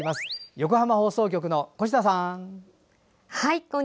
横浜放送局の越田さん。